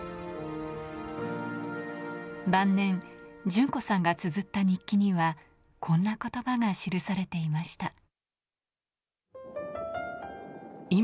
晩年、順子さんがつづった日記にはこんな言葉が記されていました。